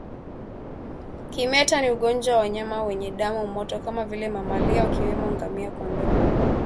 Kimeta ni ugonjwa wa wanyama wenye damu moto kama vile mamalia wakiwemo ngamia kondoo